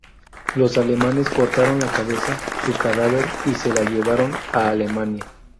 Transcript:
Los alemanes cortaron la cabeza su cadáver y se la llevaron a Alemania.